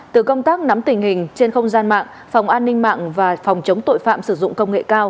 từ công tác nắm tình hình trên không gian mạng phòng an ninh mạng và phòng chống tội phạm sử dụng công nghệ cao